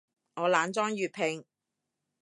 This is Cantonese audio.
我懶裝粵拼